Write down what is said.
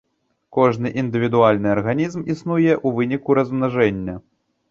Кожны індывідуальны арганізм існуе ў выніку размнажэння.